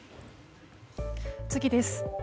次です。